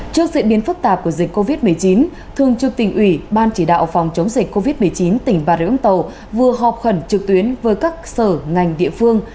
trước diễn biến phức tạp của dịch covid một mươi chín thường trực tỉnh ủy ban chỉ đạo phòng chống dịch covid một mươi chín tỉnh bà rịa úng tàu vừa họp khẩn trực tuyến với các sở ngành địa phương